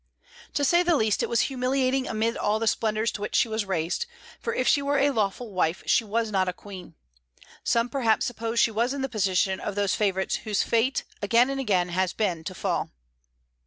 To say the least, it was humiliating amid all the splendors to which she was raised; for if she were a lawful wife, she was not a queen. Some, perhaps, supposed she was in the position of those favorites whose fate, again and again, has been to fall.